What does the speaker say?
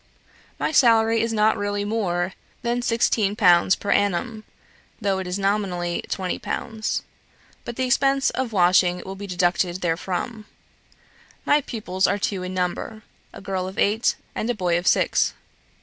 My salary is not really more than 16_l_. per annum, though it is nominally 20_l_., but the expense of washing will be deducted therefrom. My pupils are two in number, a girl of eight, and a boy of six.